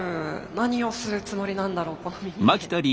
何をするつもりなんだろうこの耳で。